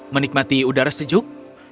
menikmati udara sejuk